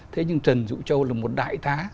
thế nhưng trần dụ châu là một đại tá